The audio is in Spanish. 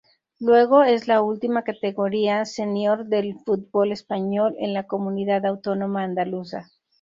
Luego es la última categoría senior del fútbol español en la Comunidad Autónoma Andaluza.